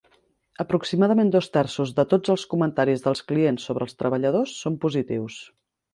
Aproximadament dos terços de tots els comentaris dels clients sobre els treballadors són positius.